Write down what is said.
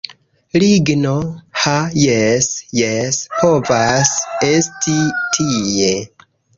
Ligno, ha jes, jes povas esti tie